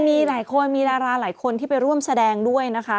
มีหลายคนมีดาราหลายคนที่ไปร่วมแสดงด้วยนะคะ